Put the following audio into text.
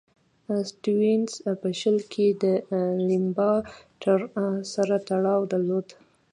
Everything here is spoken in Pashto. سټیونز په شل کې د لیمبا ټبر سره تړاو درلود.